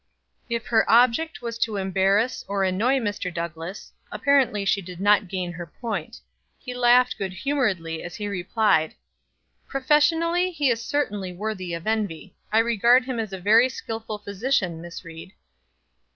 If her object was to embarrass or annoy Dr. Douglass, apparently she did not gain her point. He laughed good humoredly as he replied: "Professionally, he is certainly worthy of envy; I regard him as a very skillful physician, Miss Ried."